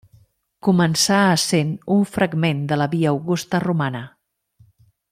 Començà essent un fragment de la Via Augusta Romana.